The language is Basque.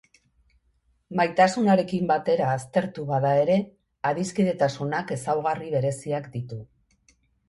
Maitasunarekin batera aztertu bada ere, adiskidetasunak ezaugarri bereziak ditu.